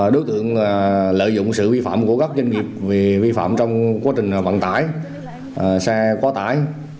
đối tượng lợi dụng sự vi phạm của các doanh nghiệp vì vi phạm trong quá trình vận tải xe quá tải